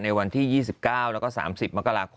ในวันที่๒๙แล้วก็๓๐มกราคม